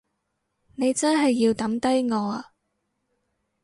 你真係要抌低我呀？